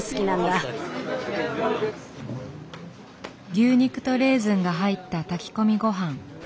牛肉とレーズンが入った炊き込みごはん「プラウ」。